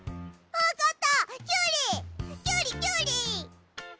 わかった！